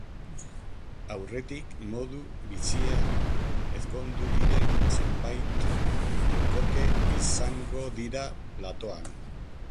Aurretik, modu bitxian ezkondu diren zenbait bikote izango dira platoan.